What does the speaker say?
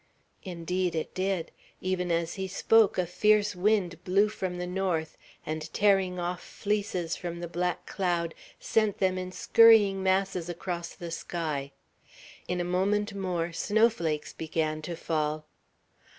Indeed it did. Even as he spoke, a fierce wind blew from the north, and tearing off fleeces from the black cloud, sent them in scurrying masses across the sky. In a moment more, snow flakes began to fall.